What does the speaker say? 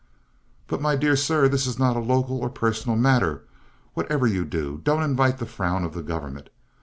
"But, my dear sir, this is not a local or personal matter. Whatever you do, don't invite the frown of the government.